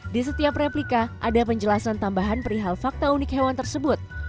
di setiap replika ada penjelasan tambahan perihal fakta unik hewan tersebut